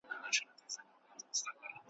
د پردیو په کمال ګوري جهان ته `